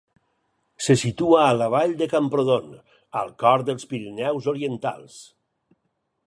Se situa a la Vall de Camprodon, al cor dels Pirineus orientals.